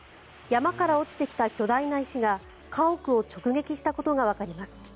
山から落ちてきた巨大な石が家屋を直撃したことがわかります。